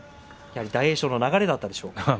大栄翔の流れだったでしょうか。